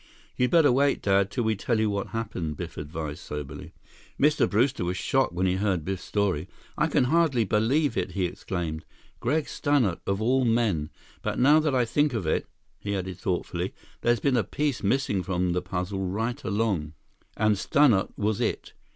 "You better wait, Dad, till we tell you what happened," Biff advised soberly. Mr. Brewster was shocked when he heard Biff's story. "I can hardly believe it!" he exclaimed. "Gregg Stannart, of all men! But now that I think of it," he added thoughtfully, "there's been a piece missing from the puzzle right along—and Stannart was it!"